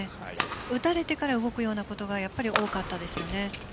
打たれてから動くようなことが多かったですよね。